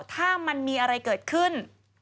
ถ้ามันมีอะไรเกิดขึ้น